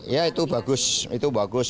ya itu bagus itu bagus